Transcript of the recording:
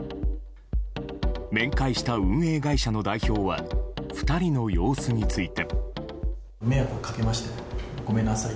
面会した運営会社の代表は２人の様子について。